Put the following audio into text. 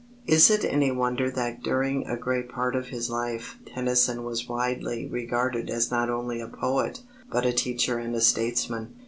Is it any wonder that during a great part of his life Tennyson was widely regarded as not only a poet, but a teacher and a statesman?